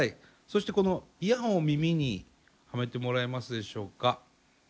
そしてこのイヤホンを耳にはめてもらえますでしょうか。